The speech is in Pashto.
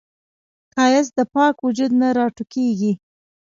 ښایست د پاک وجود نه راټوکېږي